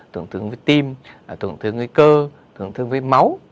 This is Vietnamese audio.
tổn thương với tim tổn thương nguy cơ tổn thương với máu